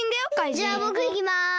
じゃあぼくいきます。